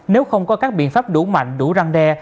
nếu không có các biện pháp đủ mạnh đủ răng đe